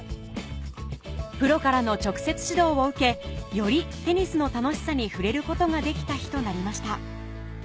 プロからの直接指導を受けよりテニスの楽しさに触れることができた日となりました